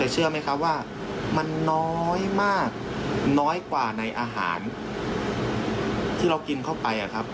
เชื่อไหมครับว่ามันน้อยมากน้อยกว่าในอาหารที่เรากินเข้าไปครับ